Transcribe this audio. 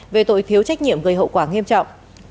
về tội thiếu trách nhiệm gây hậu quả nghiêm trọng